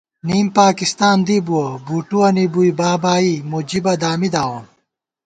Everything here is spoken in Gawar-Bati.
نِم پاکستان دِبُوَہ ، بُٹُوَنی بُوئی بابائی ، مجیبہ دامی داوون